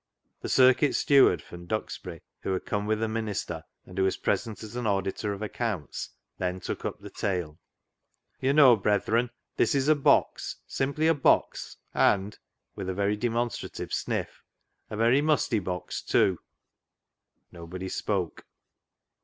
The circuit steward from Duxbury, who had come with the minister, and was present as auditor of accounts, then took up the tale. " You know, brethren, this is a box ; simply a box ; and (with a very demonstrative sniff) a very musty box too." 282 CLOG SHOP CHRONICLES Nobody spoke.